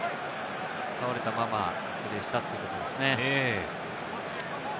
倒れたままプレーしたということですね。